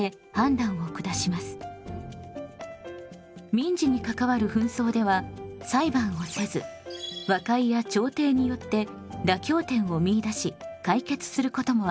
民事に関わる紛争では裁判をせず和解や調停によって妥協点を見いだし解決することもあります。